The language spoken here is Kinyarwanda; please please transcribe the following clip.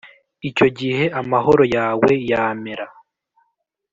Icyo gihe amahoro yawe yamera